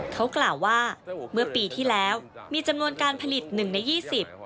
เขากล่าวว่าเมื่อปีที่แล้วมีจำนวนการผลิต๑ใน๒๐